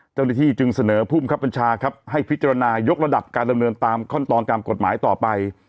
เจ้าหน้าที่จึงเสนอภูมิคับบัญชาครับให้พิจารณายกระดับการดำเนินตามขั้นตอนตามกฎหมายต่อไป